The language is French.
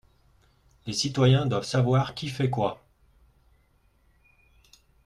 Les citoyens doivent savoir qui fait quoi